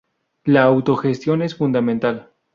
La autogestión es fundamental.